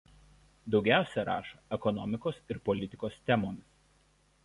Daugiausia rašo ekonomikos ir politikos temomis.